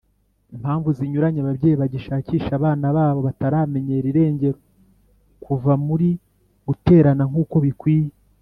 Mpamvu zinyuranye ababyeyi bagishakisha abana babo bataramenyera irengero kuva muri guterana nk uko bikwiye